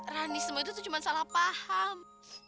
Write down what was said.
rani semua itu tuh cuma salah paham